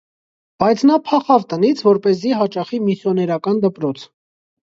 Բայց նա փախավ տնից, որպեսզի հաճախի միսիոներական դպրոց։